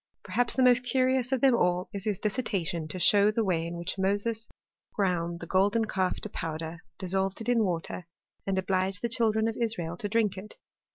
Perhaps th* IBOBt curious of them all is his dissertation to show tbi way in which Moses ground the golden calf to powderj dissolved it in water, and obliged the children of Israel to drink it.